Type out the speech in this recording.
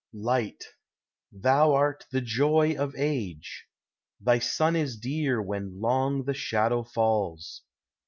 LIGHT. Thou art the joy of age : Thy sun is dear when long the shadow falls.